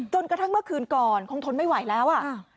กระทั่งเมื่อคืนก่อนคงทนไม่ไหวแล้วอ่ะ